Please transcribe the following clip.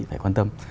phải quan tâm